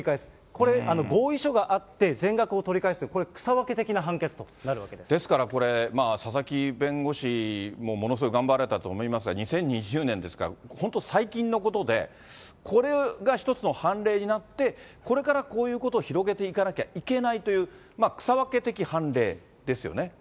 これ、合意書があって全額を取り返すという、これ、草分け的な判決となですからこれ、佐々木弁護士もものすごい頑張られたと思いますが、２０２０年ですから、本当、最近のことで、これが１つの判例になって、これからこういうことを広げていかなきゃいけないという、草分け的判例ですよね。